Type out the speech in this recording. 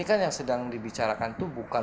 ini kan yang sedang dibicarakan tuh bukan pembiayaan